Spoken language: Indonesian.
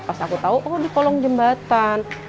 pas aku tahu oh di kolong jembatan